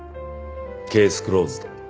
ケースクローズド。